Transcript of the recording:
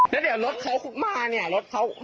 นี่เดี๋ยวรถเขามานี่รถเขา